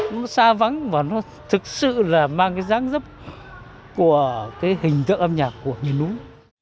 nó xa vắng và nó thực sự là mang cái dáng dấp của cái hình tượng âm nhạc của như núng